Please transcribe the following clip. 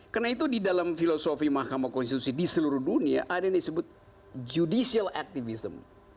karena itu di dalam filosofi mahkamah konstitusi di seluruh dunia ada yang disebut judicial activism